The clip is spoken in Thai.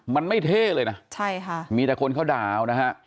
มันไม่เท่เลยนะใช่ค่ะมีแต่คนเขาด่าเอานะฮะ